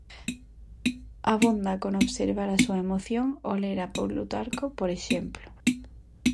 Abonda con observar a súa emoción ao ler a Plutarco, por exemplo.